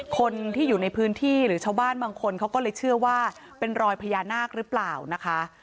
คนที่อยู่ในพื้นที่หรือชาวบ้านบางคนเขาก็เลยเชื่อว่าเป็นรอยพญานาคหรือเปล่านะคะ